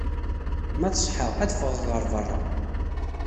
Ma teṣha, ad ffɣeɣ ɣer berra.